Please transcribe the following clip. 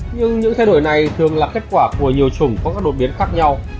nhưng những thay đổi này thường là kết quả của nhiều chủng có các đột biến khác nhau